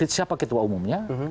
siapa ketua umumnya